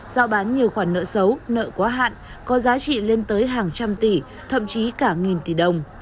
giao bán nhiều khoản nợ xấu nợ quá hạn có giá trị lên tới hàng trăm tỷ thậm chí cả nghìn tỷ đồng